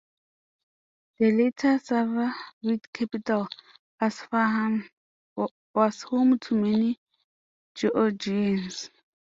The later Safavid capital, Isfahan, was home to many Georgians.